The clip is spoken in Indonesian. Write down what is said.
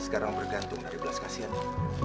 sekarang bergantung dari belas kasihannya